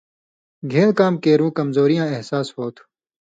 گھِن٘ل کام کیرُوں کمزوری یاں احساس ہو تُھو۔